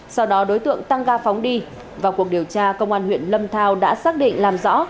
sau đó đối tượng tăng ga phóng đi vào cuộc điều tra công an huyện lâm thao đã xác định làm rõ